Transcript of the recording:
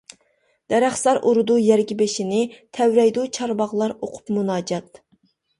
دەرەخزار ئۇرىدۇ يەرگە بېشىنى، تەۋرەيدۇ چار باغلار ئوقۇپ مۇناجات.